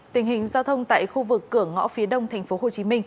tình hình giao thông tại khu vực cửa ngõ phía đông tp hcm